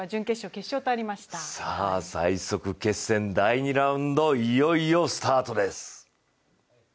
最速決戦第２ラウンド、いよいよスタートです。